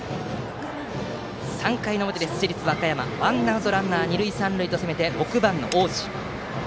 ３回の表、市立和歌山はワンアウトランナー、二塁三塁と攻めて、６番の大路。